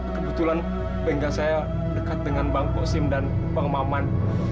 kebetulan bengga saya dekat dengan bang osim dan bang maman